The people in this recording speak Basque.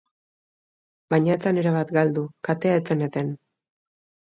Baina ez zen erabat galdu, katea ez zen eten.